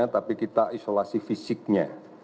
tapi kita isolasi fisiknya